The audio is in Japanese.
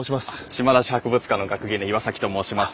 島田市博物館学芸員の岩と申します。